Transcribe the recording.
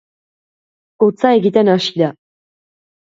Hotza egiten hasi da